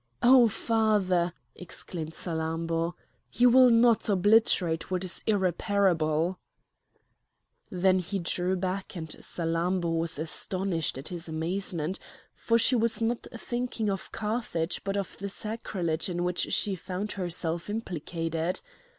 "O father!" exclaimed Salammbô, "you will not obliterate what is irreparable!" Then he drew back and Salammbô was astonished at his amazement; for she was not thinking of Carthage but of the sacrilege in which she found herself implicated.